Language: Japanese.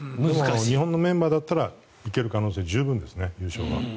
日本のメンバーだったらいける可能性は十分ですね優勝は。